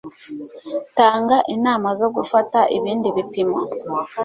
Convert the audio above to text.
gutanga inama zo gufata ibindi bipimo